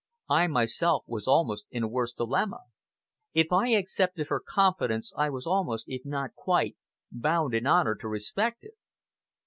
I myself was almost in a worse dilemma. If I accepted her confidence, I was almost, if not quite, bound in honor to respect it.